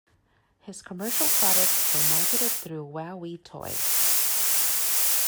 His commercial products are marketed through WowWee Toys.